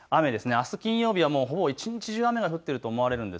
あす金曜日はほぼ一日中雨が降っていると思われます。